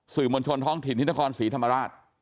มวลชนท้องถิ่นที่นครศรีธรรมราช